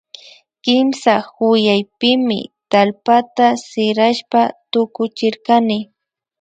Kimsa hunkaypimi tallpata sirashpa tukuchirkani